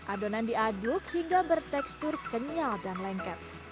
adonan diaduk hingga bertekstur kenyal dan lengket